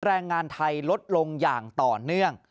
แรงงานไทยลดลงอย่างต่อเนื่อง